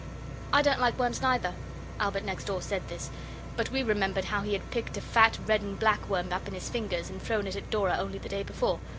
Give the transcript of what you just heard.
'I don't like worms neither.' Albert next door said this; but we remembered how he had picked a fat red and black worm up in his fingers and thrown it at Dora only the day before.